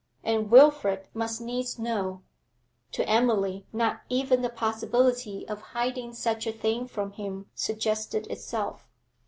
And Wilfrid must needs know; to Emily not even the possibility of hiding such a thing from him suggested itself.